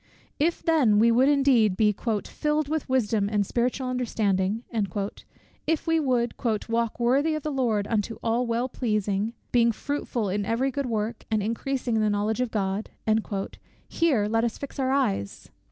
If then we would indeed be "filled with wisdom and spiritual understanding;" if we would "walk worthy of the Lord unto all well pleasing, being fruitful in every good work, and increasing in the knowledge of God;" here let us fix our eyes!